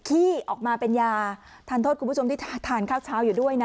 ขี้ออกมาเป็นยาทานโทษคุณผู้ชมที่ทานข้าวเช้าอยู่ด้วยนะ